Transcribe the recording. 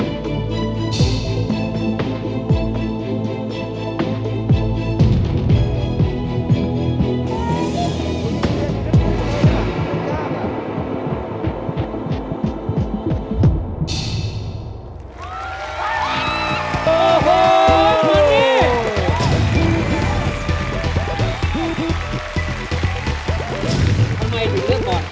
เอาทำไมถึงเรื่องบอน